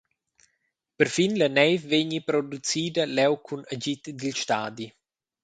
Perfin la neiv vegni producida leu cun agid dil stadi.